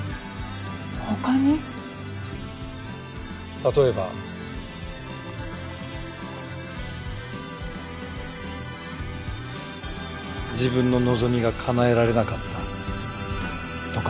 例えば。自分の望みが叶えられなかったとか。